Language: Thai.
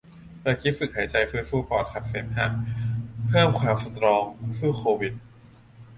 เปิดคลิปฝึกหายใจฟื้นฟูปอดขับเสมหะ เพิ่มความสตรองสู้โควิด